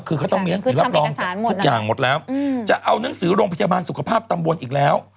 คือเขาต้องมีหนังสือรับรองทุกอย่างหมดแล้วจะเอานังสือโรงพยาบาลสุขภาพตำบลอีกแล้ว